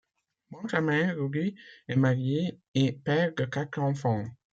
Benjamin Roduit est marié et père de quatre enfants.